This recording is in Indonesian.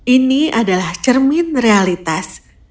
ini adalah cermin realitas